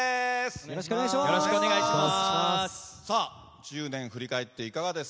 よろしくお願いします。